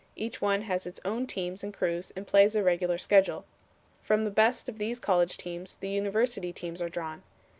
Each one has its own teams and crews and plays a regular schedule. From the best of these college teams the university teams are drawn.